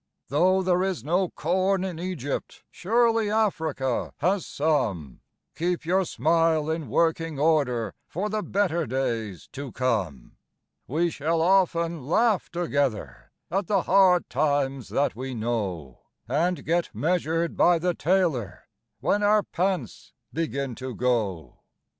Though there is no corn in Egypt, surely Africa has some Keep your smile in working order for the better days to come ! We shall often laugh together at the hard times that we know, And get measured by the tailor when our pants begin to go.